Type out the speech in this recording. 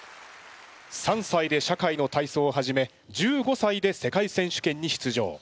３歳で社会の体操を始め１５歳で世界選手権に出場。